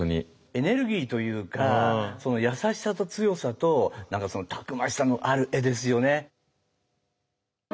エネルギーというか優しさと強さとたくましさのある絵ですよね。